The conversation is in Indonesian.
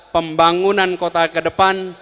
pembangunan kota kedepan